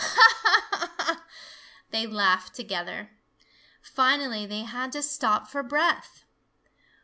Ha, ha, ha!" they laughed together. Finally they had to stop for breath.